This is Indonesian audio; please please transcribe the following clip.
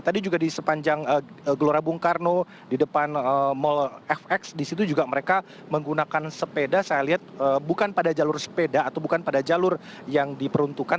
tadi juga di sepanjang gelora bung karno di depan mall fx di situ juga mereka menggunakan sepeda saya lihat bukan pada jalur sepeda atau bukan pada jalur yang diperuntukkan